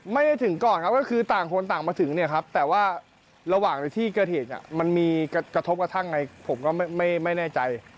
ไม่ได้ถึงก่อนครับก็คือต่างคนต่างมาถึงเนี่ยครับแต่ว่าระหว่างในที่เกิดเหตุมันมีกระทบกระทั่งไงผมก็ไม่แน่ใจ